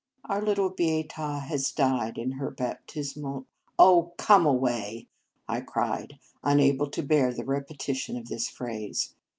" Our lit tle Beata has died in her baptis mal" " Oh, come away! " I cried, unable to bear the repetition of this phrase.